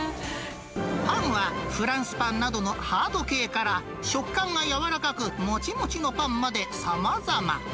パンはフランスパンなどのハード系から、食感が柔らかくもちもちのパンまでさまざま。